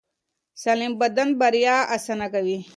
سالم بدن بریا اسانه کوي.